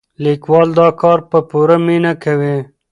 لیکوال دا کار په پوره مینه کوي.